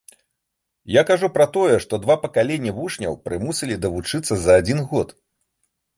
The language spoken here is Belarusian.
Я кажу пра тое, што два пакаленні вучняў прымусілі давучыцца за адзін год.